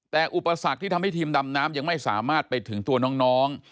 แต่อุปสรรคที่ทำให้ทีมดำน้ำยังไม่สามารถไปถึงตัวน้อง